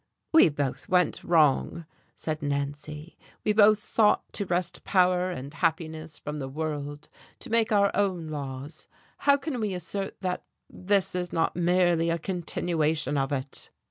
"We both went wrong," said Nancy. "We both sought to wrest power and happiness from the world, to make our own laws. How can we assert that this is not merely a continuation of it?"